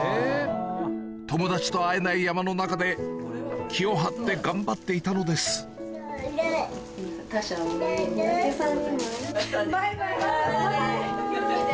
友達と会えない山の中で気を張って頑張っていたのですバイバイ！